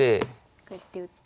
こうやって打って。